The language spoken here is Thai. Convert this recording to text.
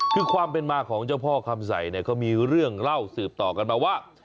คือความเป็นมาของเจ้าพ่อคำใสเนี่ยเขามีเรื่องเล่าสืบต่อกันมาว่า